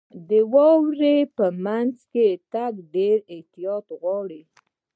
• د واورې مینځ کې تګ ډېر احتیاط غواړي.